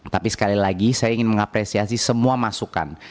tapi sekali lagi saya ingin mengapresiasi semua masukan